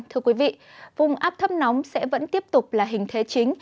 thưa quý vị vùng áp thấp nóng sẽ vẫn tiếp tục là hình thế chính